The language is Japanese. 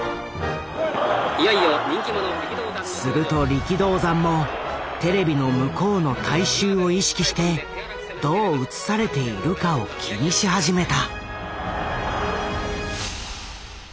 すると力道山もテレビの向こうの大衆を意識してどう映されているかを気にし始めた。